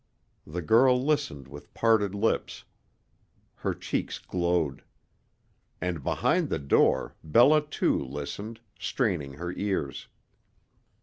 The girl listened with parted lips. Her cheeks glowed. And behind the door, Bella too listened, straining her ears.